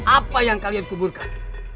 apa yang kalian kuburkan